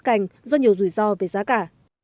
cảnh do nhiều rủi ro về giá cả